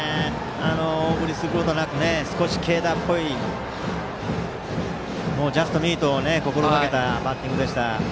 大振りすることなく少し軽打っぽいジャストミートを心がけたバッティングでした。